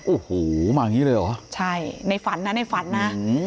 โอ้โหมาอย่างนี้เลยเหรอใช่ในฝันนะในฝันนะ